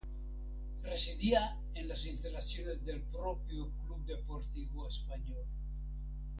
Residía en las instalaciones del propio Club Deportivo Español.